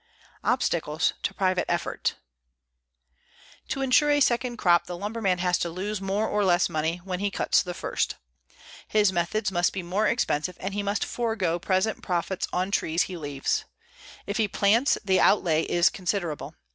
OBSTACLES TO PRIVATE EFFORT To insure a second crop the lumberman has to lose more or less money when he cuts the first. His methods must be more expensive and he must forego present profits on trees he leaves. If he plants, the outlay is considerable.